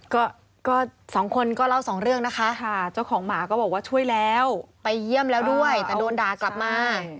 แล้วก็สองคนเล่าสองเรื่องนะคะ